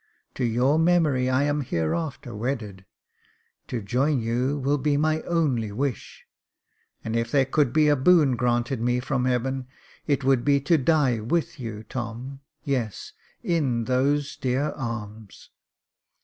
To your memory I am hereafter wedded, to join you will be my only wish — and if there could be a boon granted me from heaven, it would be to die with you, Tom — yes, in those dear arms."